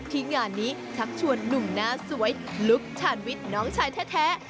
ที่งานนี้ชักชวนหนุ่มหน้าสวยลุคชาญวิทย์น้องชายแท้